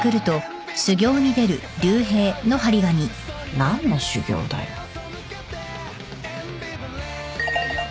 何の修行だよ。ハァ。